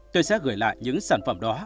tôi sẽ gửi lại những sản phẩm đó